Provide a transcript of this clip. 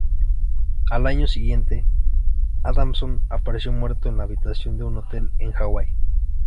Al año siguiente, Adamson apareció muerto en la habitación de un hotel en Hawái.